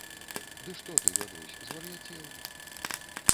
- Ды што ты, Габрусь, звар'яцеў?